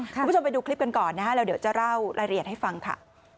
คุณผู้ชมไปดูคลิปกันก่อนนะฮะแล้วเดี๋ยวจะเล่ารายละเอียดให้ฟังค่ะ